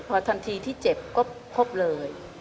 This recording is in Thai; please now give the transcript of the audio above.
พอทันทีที่เจ็บก็พบเลย